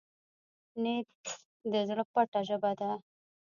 نیت د زړه پټه ژبه ده.